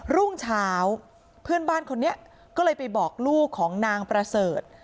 รุ่งเช้าเพื่อนบ้านคนนี้ก็เลยไปบอกลูกของนางประเสริฐ